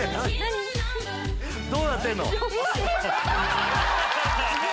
どうなってんの？